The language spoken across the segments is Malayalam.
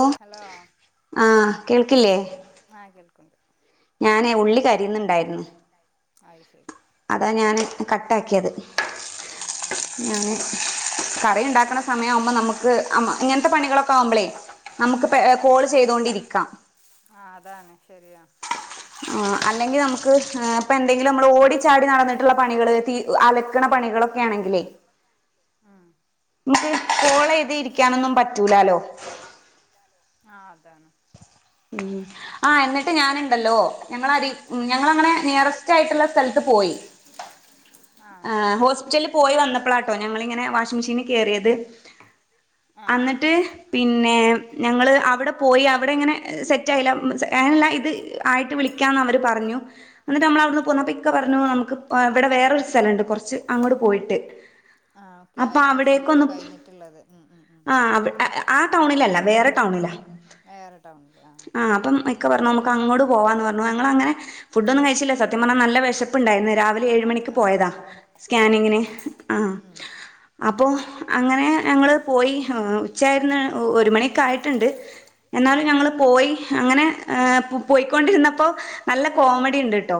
ഹലോ ഹലോ ആഹ് ഉം ആ കേൾക്ക്ണ്ട് ഞാനെ ഉള്ളി കരിയുന്നുണ്ടായിരുന്നു. അയ് ശരി. അതാ ഞാന് കട്ടാക്കിയത് ഞാന്. കറിയുണ്ടാക്കണ സമയം ആകുമ്പോ നമുക്ക് ഇങ്ങനത്തെ പണികളൊക്കെ ആവുമ്പളേ. നമുക്ക് കോൾ ചെയ്തൊണ്ടിരിക്കാം. ആ അതാണ് ശരിയാണ്. ആ അല്ലെങ്കിൽ നമുക്ക് ഇപ്പ എന്തെങ്കിലും നമ്മള് ഓടി ചാടി നടന്നിട്ടുള്ള പണികള് തീ അലക്കണ പണികളൊക്കെയാണെങ്കിലേ. നമുക്ക് കോൾ ചെയ്തിരിക്കാനൊന്നും പറ്റൂലല്ലോ. ആഹ് അതാണ്. ഉം ആ എന്നിട്ട് ഞാനുണ്ടല്ലോ ഞങ്ങളതി ഞങ്ങളങ്ങനെ നിയറസ്റ്റ്. ആയിട്ടുള്ള സ്ഥലത്ത് പോയി. ആ ഹോസ്പിറ്റലിൽ പോയി വന്നപ്പോളാട്ടോ ഞങ്ങളിങ്ങനെ വാഷിംഗ് മെഷീനി കയറിയത്. അന്നിട്ട്. പിന്നെ ഞങ്ങൾ അവിടെ പോയി. അവിടെ ഇങ്ങനെ സെറ്റായില്ല അങ്ങനല്ല ഇത്. ആയിട്ട് വിളിക്കാന്ന് അവർ പറഞ്ഞു. എന്നിട്ട് നമ്മളവിടുന്ന് പോന്നപ്പ ഇക്ക പറഞ്ഞു നമുക്ക് ഇവിടെ വേറൊരു. കുറച്ച് അങ്ങോട്ട് പോയിട്ട്. അപ്പ അവിടേക്ക് ഒന്നും അ. ആ ടൗണിലല്ല, വേറെ ടൗണിലാ ആ അപ്പം. ഇക്ക പറഞ്ഞു നമക്ക് അങ്ങോട്ട് പോവാന്ന് പറഞ്ഞു. ഞങ്ങൾ അങ്ങനെ ഫുഡൊന്നും കഴിച്ചില്ല. സത്യം പറഞ്ഞാ നല്ല വിശപ്പുണ്ടായിരുന്നു, രാവി ഏഴുമണിക്ക് പോയതാ സ്കാനിങ്ങിന് ആ. അപ്പോ അങ്ങനെ ഞങ്ങള് പോയി ഉച്ചായിരുന്നു. ഒരു മണി ആയിട്ടുണ്ട്. എന്നാലും ഞങ്ങൾ പോയി അങ്ങനെ. പോയിക്കൊണ്ടിരുന്നപ്പോ നല്ല കോമഡി ഇണ്ടിട്ടോ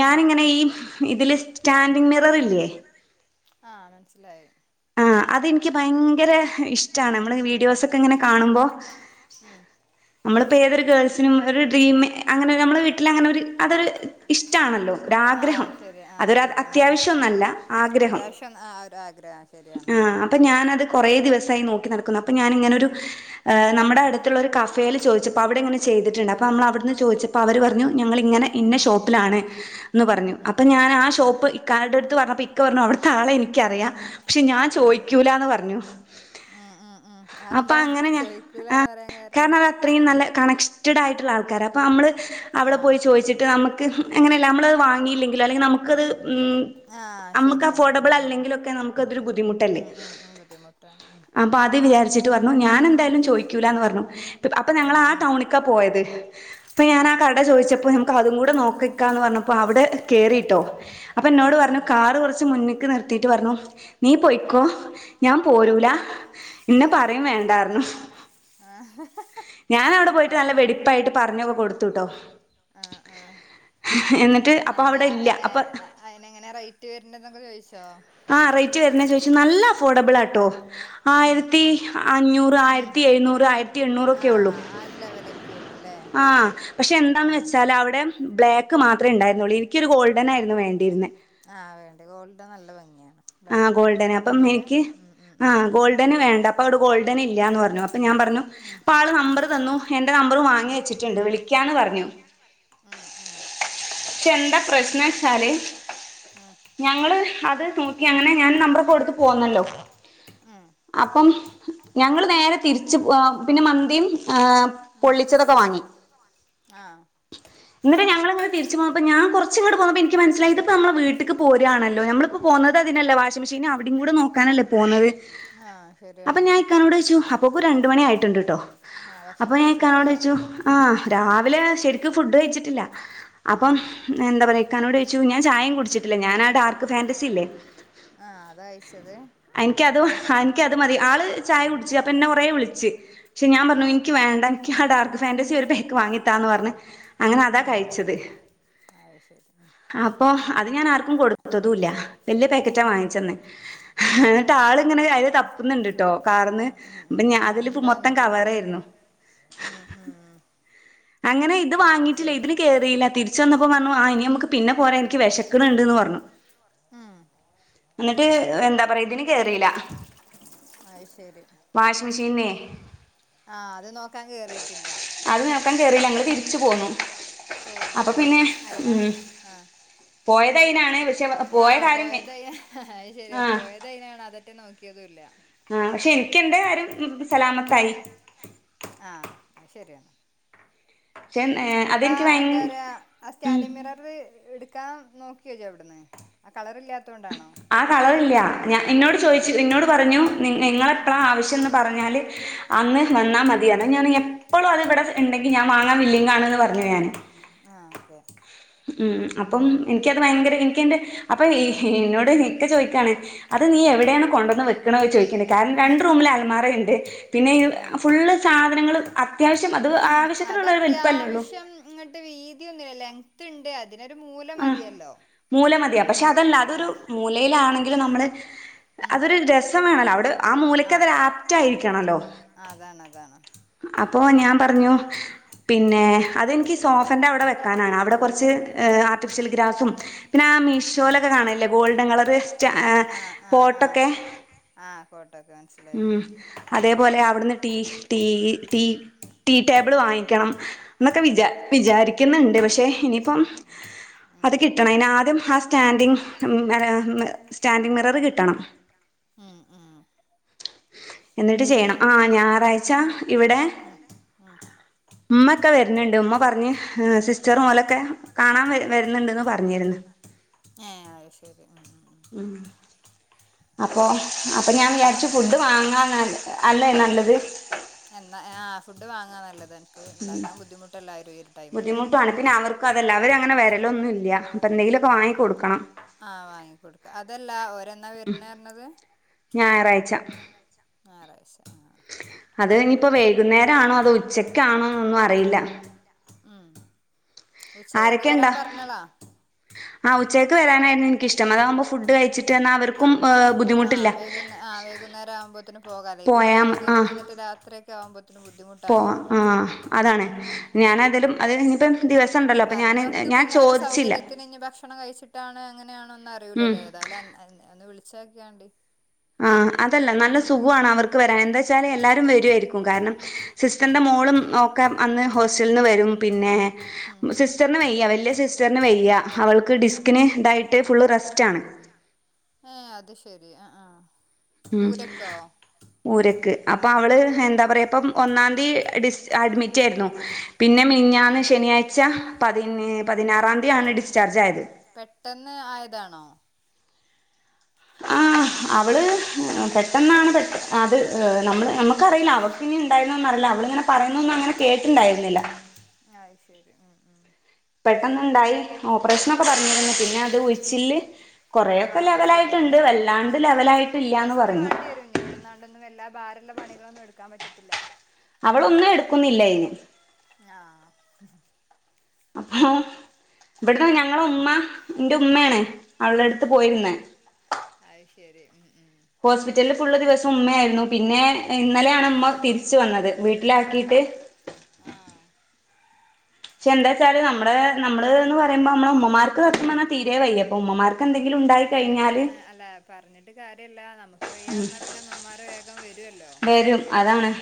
ഞാനിങ്ങനെ ഈ ഇതിൽ സ്റ്റാൻഡിങ് മിറർ ഇല്ലേ. ആ മനസ്സിലായി. ആ അതെനിക്ക് ഭയങ്കര ഇഷ്ടാണ്. നമ്മള് വീഡിയോസൊക്കെ ഇങ്ങനെ കാണുമ്പോ. ഉം നമ്മളിപ്പോൾ ഏതൊരു ഗേൾസിനും ഒരു ഡ്രീം അങ്ങനെ നമ്മൾടെ വീട്ടിൽ അങ്ങനെ ഒരു അതൊരു ഇഷ്ടാണല്ലോ. ഒരാഗ്രഹം അതൊരു അത്യാവശ്യം ഒന്നും അല്ല ആഗ്രഹം. [unintelligible] ആ ഒരു ആഗ്രഹം. ആ അപ്പ ഞാൻ അത് കൊറേ ദിവസായി നോക്കി നടക്കുന്നു. അപ്പൊ ഞാൻ ഇങ്ങനൊരു. നമ്മട അടുത്തുള്ള ഒരു കഫേയിൽ ചോദിച്ചപ്പോ അവിടിങ്ങനെ ചെയ്തിട്ടുണ്ട്. അപ്പൊ നമ്മള് അവിടുന്ന് ചോദിച്ചപ്പോ. അപ്പോ അവര് പറഞ്ഞു ഞങ്ങളിങ്ങനെ ഇഞ്ഞ ഷോപ്പിലാണ്. എന്ന് പറഞ്ഞു. അപ്പൊ ഞാൻ ആ ഷോപ്പ് ഇക്കാന്റെ അടുത്ത് പറഞ്ഞപ്പോ ഇക്ക പറഞ്ഞു അവിടുത്തെ ആളെ എനിക്കറിയാം. പക്ഷെ ഞാൻ ചോയ്ക്കൂലന്ന് പറഞ്ഞു. ഉം ഉം ഉം എന്താ ചോദിക്കൂലാന്ന് പറയാൻ കാരണം. അത്രയും നല്ല കണക്റ്റഡ് ആയിട്ടുള്ള ആൾക്കാർ ആണ്. അപ്പോൾ നമ്മള് അവിടെ പോയി ചോദിച്ചിട്ട് നമുക്ക് അങ്ങനെയല്ല നമ്മളത് വാങ്ങിയിലെങ്കി അല്ലങ്കിൽ നമുക്കത്. ഉം നമുക്ക് അഫോർഡബിൾ അല്ലെങ്കിലൊക്കെ നമുക്ക് അതൊരു ബുദ്ധിമുട്ടല്ലേ. മുട്ട ഉം. അപ്പ ആദ്യം വിചാരിച്ചിട്ട് പറഞ്ഞു ഞാൻ എന്തായാലും ചോദിക്കൂല്ല എന്ന് പറഞ്ഞു. അപ്പൊ ഞങ്ങള് ആ ടൗണിക്കാ പോയത്. അപ്പൊ ഞാൻ ആ കട ചോദിച്ചപ്പോ അതും കൂടെ നോക്കിക്കാന്ന് പറഞ്ഞപ്പോ അവിടെ കേറിയിട്ടോ അപ്പൊ എന്നോട് പറഞ്ഞു കാറ് കുറച്ച് മുന്നിക്ക് നിർത്തിട്ട് പറഞ്ഞു നീ പോയ്ക്കോ ഞാൻ പോരൂല ഇന്നെ പറയും വേണ്ടാർഞ്ഞി ആഹ ഹഹ ഞാൻ അവിടെ പോയിട്ട് നല്ല വെടിപ്പായിട്ട് പറഞ്ഞൊക്കെ കൊടുത്തുട്ടോ എന്നിട്ട് അപ്പൊ അവിടെ ഇല്ല അപ്പൊ അയിന് എങ്ങനെയാ റേറ്റ് വര്ന്നതോക്കെ ചോയ്ച്ചോ ആഹ റേറ്റ് വരുന്ന ചോദിച്ചു നല്ല അഫോർഡബിൾട്ടോ ആയിരത്തി അഞ്ഞൂറ് ആയിരത്തി എഴ്ന്നൂറ് ആയിരത്തി ആയിരത്തി എണ്ണൂറൊക്കെ ഉള്ളൂ ആഹ പക്ഷെ എന്താന്ന് വെച്ചാൽ അവിടെ ബ്ലാക്ക് മാത്രമേ ഉണ്ടായിരുന്നുള്ളൂ എനിക്കൊരു ഗോൾഡണ് ആയിരുന്നു വേണ്ടിരുന്നത് ആഹ വൈറ്റ് ഗോൾഡ് നല്ല ഭംഗിയാണ് ബ്ലാക്ക്നാട്ടിലും കൂടുതല് മ് മ് മ് ഇപ്പത്തന്നെ വേണ്ട അപ്പോ അവിടെ ഗോൾഡൻ ഇല്ല എന്ന് പറഞ്ഞു അപ്പൊ ഞാൻ പറഞ്ഞു അപ്പ ആള് നമ്പർ തന്നു എന്റെ നമ്പറും വാങ്ങി വെച്ചിട്ടുണ്ട് വിളിക്കാന്ന് പറഞ്ഞു മ് മ് പക്ഷേ ന്താ പ്രശ്നം വെച്ചാൽ ഞങ്ങള് അത് നോക്കി അങ്ങനെ ഞാൻ നമ്പർ കൊടുത്ത് പോന്നല്ലോ അപ്പം ഞങ്ങൾ നേരെ തിരിച്ച് പിന്നെ മന്തിയും പൊള്ളിച്ചതൊക്കെ വാങ്ങി ആഹ [inaudible] ഇന്നിട്ട് ഞങ്ങൾ ഇങ്ങനെ തിരിച്ചു പോന്നപ്പോ ഞാ കുറച്ച് ങ്ങട്ട് പോന്നപ്പോ ന്ക്ക് മനസിലായി ഇതിപ്പോ നമ്മളെ വീട്ടിക്ക് പോരായാണല്ല നമ്മളിപ്പോ പോന്നത് ഇത് അതിനല്ല വാഷിംഗ മെഷീൻ അവടിം കൂടെ നോക്കാനല്ലേ പോന്നത് അപ്പൊ ഞാൻ ഇക്കാനോടോയ്ച്ചു അപ്പൊക്ക രണ്ട് മണി ആയിട്ടുണ്ട്ട്ടോ അപ്പൊ ഞാ ഇക്കാനോടെയ്ച്ചു ആഹ രാവിലെ ശരി ക്ക് ഫുഡ് കഴച്ചിട്ടില്ല അപ്പന്താ പറയാ ഇക്കാനോട് ചോയിച്ചു ഞാൻ ചായിം കുടിച്ചിട്ടില്ല ഞാനാ ഡാർക്ക് ഫാന്റസില്ലേ ആഹ അതാ കഴിച്ചത് എനിക്കത് എനിക്കത് മതി ആള് ചായ കുടിച്ചു അപ്പൊന്നെ കുറേ വിളിച്ച് ച് ഞാൻ പറഞ്ഞു നിക്ക് വേണ്ട ക്ക് ആ ഡാർക്ക് ഫാൻറസി ഒരു ബേക്ക് വാങ്ങിതാ പറഞ് അങ്ങനെ അതാ കഴിച്ചത് അത് ശരി അപ്പൊ അത് ഞാൻ ആർക്കും കൊടുത്തതുല്ല്യ വല്യ പാക്കറ്റാ വാങ്ങിച്ചന്നെ എന്നിട്ട് ആൾ ഇങ്ങനെ അത് തപ്പുന്നുണ്ടട്ടോ കാർന്ന് ഇപ്പൊ ഞാ അതില് മൊത്തം കവാറായിരുന്നു മ് മ് അങ്ങനെ ഇത് വാങ്ങിയിട്ടില്ല ഇതിൽ കേയറില്ല തിരി [inaudible] വിശ്വസികുനുണ്ട്ന്ന് പറഞ്ഞു മ്മ് എന്നിട്ട് എന്താ പറയാ ഇതിന് കേയറിയില്ല അയ്ശരി വാഷിംഗ് മെഷീന് ആഹ അത് നോക്കാൻ കേറിയിട്ടില്ല അത് നോക്കാൻ കേറിയില്ല ഞങ്ങൾ തിരിച്ചു പോന്നു [inaudible] പോയത് അയ്നാണ് ആഹ പോയത് ശരിയാ പോയത് അയ്നാണ് അതറ്റെ നോക്കിയതുല്ല്യ ആഹ പക്ഷെ ന്ക്ക് ന്റെ കാര്യം ആരും സലാമത്തായി ആഹ അയ് ശരിയാണ് [inaudible] അപ്പൊ എന്താ പറയാ ആ സ്റ്റാൻഡി മിറർ എടുക്കാൻ നോക്കിയോജോ അവിടന്ന് ആ കളർ ഇല്ലാത്തുണ്ടാണോ ആ കളറില്ല ഞാൻ ഇന്നോട് ചോയിച്ചു ഇന്നോട് പറഞ്ഞു നി നിങ്ങളെപ്പോഴാ ആവശ്യം എന്ന് പറഞ്ഞാല് അന്ന് വന്നാൽ മതിയാന്ന് ഞാൻ.. ഇപ്പളും അത് ഇവിടെ ഉണ്ടെങ്കിൽ വാ ങ്ങാൻ വില്ലിങ്ക്കാണ് എന്ന് പറഞ്ഞു ഞാന് ആഹ് ഒക്കെ ഉം അപ്പം എനിക്കത് ഭയങ്കരം എനിക്ക് എന്റെ അപ്പോ എന്നോട് ഇക്ക ചോദിക്കാണ് അത് നീ എവിടെയാണ് കൊണ്ടുവന്ന് വെ ക്കണ ചോദിക്കണ്ട് കാരണം രണ്ട് റൂമിൽ അൽമാറ ഇണ്ട് പിന്നെ ഫുള്ള് സാധനങ്ങൾ അത്യാവശ്യം അത് ആവശ്യത്തിനുള്ളൊരു വലുപ്പല്ലേ ഒള്ളൂ ഇങ്ങട്ട് വീതിയൊന്നുല്ല ലെങ്ത്ത് ഇണ്ട് അതിനൊരു മൂല മതിയല്ലോ മൂല മതിയാ പക്ഷെ അതല്ല അതൊരു മൂലയിലാണെങ്കിലും നമ്മളെ അതൊരു രസം വേണല്ലോ അവിടെ ആ മൂലയ്ക്ക് അത് ആപ്റ്റ്‌ ആയിരിക്കണല്ലോ അതാണ് അതാണ് അപ്പോ ഞാൻ പറഞ്ഞു പിന്നെ അതെനിക്ക് സോഫന്റെ അവിടെ വെക്കാനാണ് അവിടെ കുറച്ച് ഹ ആർട്ടിഫിഷ്യൽ ഗ്രാസും പിന്നെ ആ മീഷോയിലൊക്കെ കാണല്ലേ ഗോൾഡൻ കളറ് ഫേട്ടൊക്കെ ആ പോട്ടക്കെ ഉം അതേപോലെ അവിടുന്ന് tea tea tea tea table വാങ്ങിക്കണം എന്നൊക്കെ വിചാ വിചാരിക്കുന്നുണ്ട് പക്ഷേ ഇനിയിപ്പം അത് കിട്ടണം അതിന് ആദ്യം ആ സ്റ്റാൻഡിങ് സ്റ്റാൻഡിങ് മിററ് കിട്ടണം ഉം ഉം എന്നിട്ട് ചെയ്യണം ആ ഞായറാഴ്ച്ച ഇവിടെ ! ! ഉമ്മക്കെ വരുന്നുണ്ട് ഉമ്മ പറഞ്ഞ് സിസ്റ്റർ ഓ ലൊക്കെ കാണാൻ വരുന്നുണ്ട്ന്ന് പറഞ്ഞിരുന്ന് ഏഹ് അയ് ശരി ഉം ഉം ഉം അപ്പോ അപ്പൊ ഞാൻ വിചാരിച്ചു ഫുഡ്‌ വങ്ങന്ന് അല്ലേ നല്ലത് എന്നാ ആ ഫുഡ് വാങ്ങാ നല്ലത് ഇണ്ടാക്കാൻ ബുദ്ധിമുട്ടല്ലരും ഒരു ടൈമില് എല്ലാവരും അങ്ങനെ വരലൊന്നും ഇല്ല അത് ന്നാ ആ വാങ്ങിക്കൊടുക്ക അതല്ല ഓര് എന്നാ വരുന്ന പറഞ്ഞത് ഞായറാഴ്ച്ച ഞായറാഴ്ച്ച ആഹ് ഒക്കെ അത് ഇനിയിപ്പോ വൈകുന്നേരം ആണോ അതോ ഉച്ചക്കാണോ എന്നൊന്നും അറിയില്ല ഉം ഉച്ചകക്ക് വരാൻ പറഞാളാ ആ ഉച്ചയ്ക്ക് വരാനായിരുന്നു എനിക്ക ഇഷ്ടം അതാകുമ്പോ ഫുഡ് കഴിച്ചിട്ട് എന്നാൽ അവർക്കും ഏഹ് ആ വൈുകുന്നേ ആ വൈകുന്നേരം ആവുമ്പോതിന് പോവാലോ പിന്നെ വൈകുന്നേരം വന്നിട്ട് രാത്രി ത്രി ആവുബോതിന് ബുദ്ധിമുട്ട് ആയിവരും പോവ അതാണ് പറഞ്ഞോക്ക് ഒലെ സൗകര്യത്തിന് ത്തിന് ഇഞ്ഞ് ഭക്ഷണം കഴിച്ചിട്ടാണ് അങ്ങനെയണോന്ന് അറിയൂല്ലല്ലേ ഏതാലും ഒന്ന് വിളിച്ച് നേക്കേണ്ടി ആഹ് അതല്ല നല്ല സുഖണ് അവർക്ക് വരാൻ എന്താ വെച്ചാല് എല്ലാരും വരുയായിരിക്കും കാരണം സിസ്റ്ററിൻ്റെ മോളും ഒക്കെ അന്ന് ഹോസ്റ്റലിൽ നിന്ന് വരും പിന്നെ സിസ് സിസ്റ്ററിന് വയ്യ വലിയ സിസ്റ്ററിന് വയ്യ അവൾക്ക് ഡിസ്കിന് ഇതായിട്ട് ഫുള്ള് റെസ്റ്റ് ആണ് ഏഹ് അത് ശരി ആ ആ ഉരക്കോ ഊരക്ക് അപ്പൊ അവള് എന്താ പറയാ ഇപ്പം ഒന്നാം തി ഡിസ് അഡ്മിറ്റ് ആയിരുന്നു പിന്നെ മിനിഞ്ഞാന്ന് ശനിയാഴ്ച പതിന പതിനാറാം തീ തിയാണ് ഡിസ്ചാർജ് ആയത് പെട്ടെന്ന് ആയതാണോ ആ അവള് പെട്ടെന്നാണ് അത് നമ്മള് നമക്ക് ക്കറിയില്ല അവക്ക് ഇനി ഇണ്ടായിരുന്ന അറില്ല അവളിങ്ങനെപറയു ന്നൊന്നും അങ്ങനെ കേട്ടിണ്ടായിരുന്നില്ല ആയ് ശെരി ഉം ഉം പെട്ടെന്നുണ്ടായി ഓപ്പറേഷനൊക്കെ പറഞ്ഞിരുന്നു പിന്നെ അത് ഉയിച്ചില് കൊറെയോക്കെ ലെവലായിട്ടുണ്ട് വല്ലാണ്ട് ലെവലായിട്ടിലാന്ന് പറഞ്ഞു നിന്നാണ്ടൊന്നും വലാതെ ഭാരം ഉള്ള പണികളൊന്നും എടുക്കാൻ പറ്റത്തില്ല അവളൊന്നും എടുക്കുന്നില്ല അയ്ന് ആഹ ഇവടുന്ന് ഞങ്ങള ഉമ്മ ഇന്റെ ഉമ്മയാണ് അവളെ അടുത്ത് പോയിരുന്നെ അഹ് ശെരി ഉം ഉം ഹോസ്പിറ്റലിൽ ഫുള്ള് ദിവസം ഉമ്മയായിരുന്നു പിന്നെ ഇന്നലെയാണ് ഉമ്മ തിരിച്ച് ച്ചു വന്നത് വീട്ടിലാക്കിയിട്ട് ആഹ പക്ഷെ എന്താ വെച്ചാല് നമ്മുടെ നമ്മള് എന്ന് പറയുമ്പോ നമ്മളെ ഉമ്മമാർക്ക് സത്യം പറഞ്ഞാ തീരെ വയ്യ അപ്പൊ ഉമ്മമാർക്ക് എന്തങ്കിലും ഉണ്ടയി ശരിയാണ് അല്ല പറഞ്ഞിട്ട് കാര്യല്ല നമ്മുക്ക് വെയ്യ പറഞ്ഞാൽ പിന്നെ ഉമമ്മാര് വേഗം വരുല്ലോ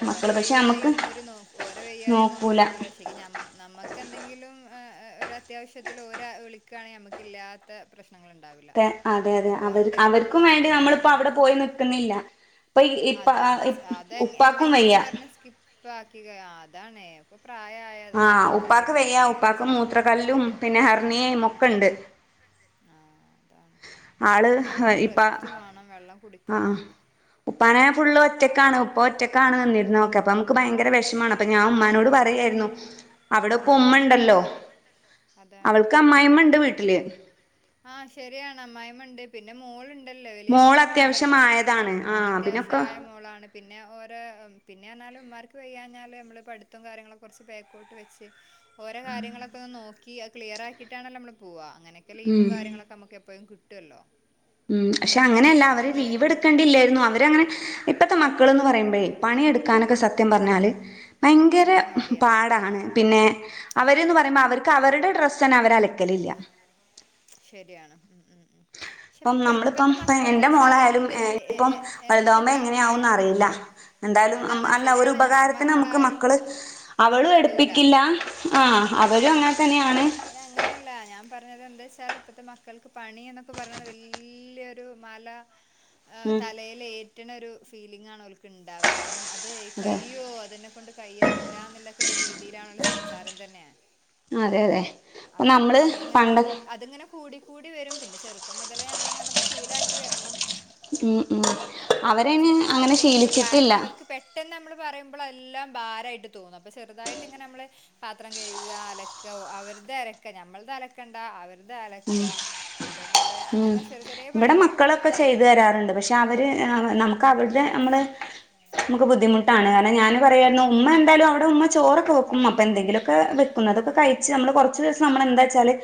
ഒരേ വെയ്യായി ഒന്നും ഒരു നോ ഒരേ വെയ്യായി ഒന്നും നോക്കൂല തേക് നമുക്കെന്തെങ്കിലും ഒരത്യാവശ്യത്തിൽ ഓര് വിളികാ ണെങ്കിൽ നമക്കില്ലാത്ത ത്തെ പ്രശ്നങ്ങളുണ്ടാവില്ല അവിടെ പോവാണ്ട് ഇവിടെ പോവാണ്ട്ന്ന് പറഞ്ഞോണ്ട് അതാണ് അത് എന്തെങ്കിലും പറഞ് സ്കിപ്പ് ആക്കി അതാണ് അപ്പൊ പ്രായായ ആൾക്കാരല്ലേ അപ്പൊ അതിനനുസരിച്ചാ പിന്നെ ഹർണിയായും ഒക്കെണ്ട് ആഹ അതാണ് അള് ഇപ്പ ആണം വെള്ളം കുടി ആ് ഉപ്പാനെ ഫുള്ള് ഒറ്റക്കാണ് ഉപ്പ ഒറ്റകാണ് നിന്നിരുന്നൊക്കെ അപ്പോ നമ്മുക്ക് ഭയങ്കര വെഷമം ആണ് അപ്പൊ ഞാൻ ഉമ്മാനോട് പറയായിരുന്നു അവിടെ ഇപ്പോ ഉമ്മ ഉണ്ടല്ലോ അവൾക്ക് അമ്മായിയമ്മ ഇണ്ട് വീട്ടില് ആഹ ശെരിയാണ് അമ്മായിയമ്മണ്ട് പിന്നെ മോൾ ണ്ടല്ലോ വലിയ മോളൊക്കെ ഇണ്ടല്ലോ ആ അത്യാവശ്യ ആയ മോളാണ് പിന്നെ ഓരെ പിന്നെ പറഞ്ഞാലും ഉമ്മാർക് വെയാഞ്ഞാൽ നമ്മള് പഠിത്തവും കാര്യങ്ങളൊക്കെ കൊറച്ച് ബേക്കോട്ട് വെച്ച് ഓരെ കാര്യങ്ങളൊക്കെന്ന് നോക്കി അത് ക്ലിയറക്കിയിട്ടാണല്ലോ നമ്മള് പോവാ അങ്ങനെയൊക്കെ ലീവും കാര്യങ്ങളും നമുക്ക് എപ്പോഴും കിട്ടുല്ലോ ഉം പക്ഷെ അങ്ങനെയല്ല അവര് ലീവ് എട് കണ്ടില്ലായിരുന്നു അവരങ്ങനെ ഇപ്പഴത്തെ മക്കൾ എന്ന് പറയുമ്പോഴേ പണിയെടുക്കാനൊക്കെ സത്യം പറഞ്ഞാല് ഭയങ്കര പാടാണ് പിന്നെ അവര്ന്ന് പറ അവർക്ക് അവരുടെ ഡ്രസ്സന്നെ അവര് അലക്കലില്ല ശെരിയാണ് ഇം ഉം ഇപ്പം നമ്മളിപ്പം എന്റെ മോളായാലും ഇപ്പം വലുതാകുമ്പോ എങ്ങനെയാവുന്നറിയില്ല എന്തായാലും അല്ല ഒരു ഉപകാരത്തിന് നമുക്ക് മക്കള് അവളും എടുപ്പിക്കില്ല ആ അവരും അങ്ങനെ തന്നെയാണ് അതിന് അങ്ങനെയല്ല ഞാൻ പറഞ്ഞത് എന്താ വെച്ചാൽ ഇപ്പോഴത്തെ മക്കൾക്ക് പണിയ എന്നൊക്കെ പറഞ്ഞത് വലിയൊരു മല തലയിൽ ഏറ്റണ ഒരു ഫീലിംഗ് ആണ് ഓൽക്ക് ഉണ്ടാവ കാരണം അത് കയ്യോ അത് ഇന്നെകൊണ്ട് കയ്യത്തില്ല എന്നുള്ളൊക്കെ ഒരു രീതിയിലാണ് ഓലെ സംസാരം തന്നെ അതെ അതെ അപ്പൊ അത്ങ്ങനെ കൂ അത്ങ്ങനെ കൂടി കൂടി വരും പിന്നെ ചെറുപ്പം മുതലേഅവളിങ്ങനെ അത് ശീലാക്കി വരണം ഉം ഉം അവരയ്ന് അങ്ങനെ ശീലിച്ചിട്ടില്ല പെട്ടെന്ന് നമ്മള് പറയുമ്പോൾ എല്ലാം ഭാരമായിട്ട് തോന്നും അപ്പൊ ചെറുതായിട്ട് ഇങ്ങനെ നമ്മള് പാത്രം കഴുക അലക്കാ അവരത് അവര്ത് അലക്കാ നമ്മൾത് അലക്കണ്ട അവർത് അലക്കാ അതേപോലെ അങ്ങനെ ഇവടെ മക്കളൊക്കെ ചെയ്തു തരാറ്ണ്ട് പക്ഷെ അവര് ആഹ് വ നമുക്ക് അവർടെ നമ്മള് നമുക്ക് ബുദ്ധിമുട്ടാണ് കാരണം ഞാന് പറയാര്ന്നു ഉമ്മ എന്തായാലും അവിടെ ഉമ്മ ചോറൊക്കെ വെക്കും അപ്പ എന്തെങ്കിലൊക്കെ വെക്ക് ഒന്നാതൊക്കെ കഴിച്ച് നമ്മള് കൊറച്ച് ദിവസം നമ്മളെന്താച്ചാല്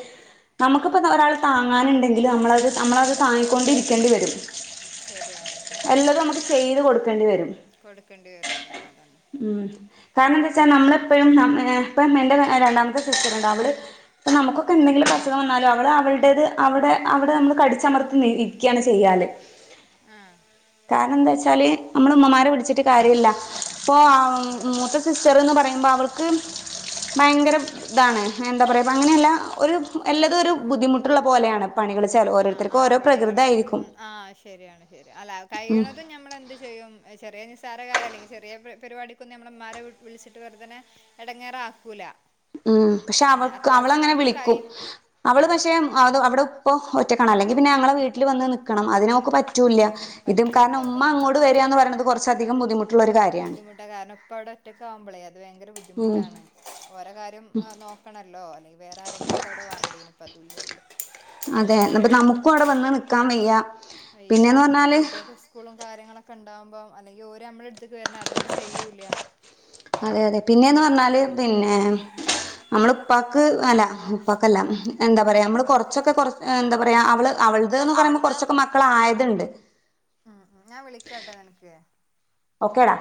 നമ്മുക്കിപ്പോ ത ഒരാള് താങ്ങാന്ണ്ടെങ്കില് നമ്മളത് നമ്മളത് താങ്ങിക്കൊണ്ടിരിക്കണ്ടി വരും എല്ലതും നമുക്ക് ചെയ്ത് കൊടുക്കേണ്ടി വരും ഉം കാരണെന്തച്ചാ നമ്മളെപ്പഴും ആഹ് ഏഹ് ഇപ്പം എന്റെ അ രണ്ടാമത്തെ സിസ്റ്ററ്ണ്ട് അവള് ഇപ്പൊ നമുക്കൊക്കെന്തെങ്കിലൊക്കസുഖം വന്നാലു അവള് അവൾടേത് അവിടെ അവിടെ നമ്മള് കടിച്ചമറ് ന്നിരിക്ക്യാണ് ചെയ്യാല് ആഹ് കാരണെന്താച്ചാല് നമ്മള് ഉമ്മമാരെ വിളിച്ചിട്ട് കാര്യല്ല പ്പോ ആഹ് മൂത്ത സിസ്റ്ററ്ന്ന് പറയുമ്പോ അവൾക്ക് ഭയങ്കര ഇതാണ് എന്താ പറയപ്പ അങ്ങനെയല്ല ഒരു എല്ലതു ഒരു ബുദ്ധിമുട്ട്ള്ള പോലെയാണ് പണികള് ചെല ഓരോരുത്തര് ആഹ് പണികളൊക്കെ ഉം ആഹ് ശരിയാണ് ശരിയാ അല്ല കഴിയ്ണതും ഞമ്മളെന്ത് ച് ചെയ്യും എ ചെറിയ നിസ്സാരകാര്യല്ലെങ്കി ചെറിയ പെ പരിപാടിക്കൊന്നും ഞമ്മളമ്മാരെ വിൾ വിളിച്ചിട്ട് വെറുതനെ എടങ്ങേറാക്കൂല ഉം പക്ഷെ അവക്ക് അവളങ്ങനെ വിളിക്കും അവള് പക്ഷേ അം അത് അവടെ ഉ പ്പോ ഒറ്റക്കാണ് അല്ലെങ്കി പിന്നെ ഞങ്ങളെ വീട്ടില് വന്ന് നിക്കണം അതിനവക്ക് പറ്റ് റ്റൂല്ല്യ ഇതും കാരണം ഉമ്മ അങ്ങോട് വര്ആന്ന് പറയണത് കൊറച്ചധികം ബുദ്ധിമുട്ടുള്ളൊരു കാര്യാണ് റ്റ കാരണം ഉപ്പവടെ ഒറ്റക്കാവുമ്പളേ അത് ഭയങ്കര ബുദ്ധിമുട്ടാണ് ഓര കാര്യം ആഹ് നോക്ക് ക്കണല്ലോ അല്ലെങ്കി വേറാരെങ്കിലൊക്കവടെ വാണ്ടീനു ഇപ്പതൂല്ല്യല്ലോ അതേ ഇന്നിപ്പ നമുക്കു അവടെ വന്ന് നിക്കാൻ വയ്യ വയ്യ അമ്മക്ക് കുട്ടിയാക്ക് സ് സ്കൂളും കാര്യങ്ങളൊക്കണ്ടാവുമ്പോ അല്ലെങ്കി ഓര് ഞമ്മളെടുത്ത്ക്ക് വര്ണ അതോര് ചെയ്യൂല്ല്യ അതെയതെ പിന്നേന്ന് പറഞ്ഞാല് പിന്നേ നമ്മളുപ്പാക്ക് അല്ല ഉപ്പാക്കല്ല എന്താ പറയാ അമ്മള് കൊറച്ചൊക്കെ കൊറച് അ് എന്താ പറയാ അവള് അവളത് ന്ന് പറയുമ്പോ കൊറച്ചൊക്കെ മക്കളായത്ണ്ട് ഉം ഉം ഞാൻ വിളിക്കാട്ടോ നിനക്ക് ഓക്കേടാ